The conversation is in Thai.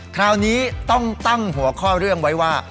คราวนี้ต้องตั้งหัวข้อเรื่องไว้ว่า